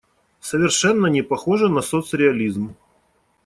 Совершенно не похоже на соцреализм.